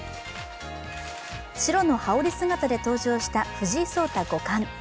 白の羽織姿で登場した藤井聡太五冠。